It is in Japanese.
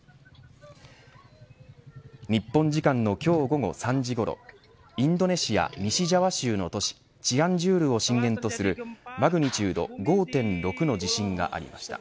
日本時間の今日午後３時ごろインドネシア西ジャワ州の都市チアンジュールを震源とするマグニチュード５．６の地震がありました。